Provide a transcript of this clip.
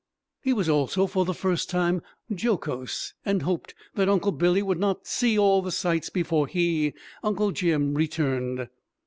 He was also, for the first time, jocose, and hoped that Uncle Billy would not "see all the sights" before he, Uncle Jim, returned.